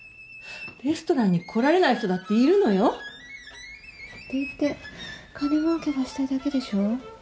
レストランに来られない人だっているのよ。って言って金もうけがしたいだけでしょ？